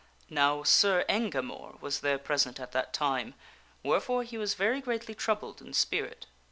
Now, Sir Engamore was there present at that time, wherefore he was very greatly troubled in spirit.